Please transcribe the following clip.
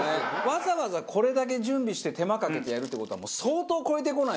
わざわざこれだけ準備して手間かけてやるって事は相当超えてこないと。